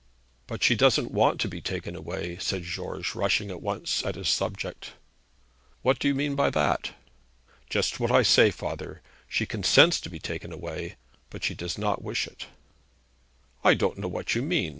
'But she doesn't want to be taken away,' said George, rushing at once at his subject. 'What do you mean by that?' 'Just what I say, father. She consents to be taken away, but she does not wish it.' 'I don't know what you mean.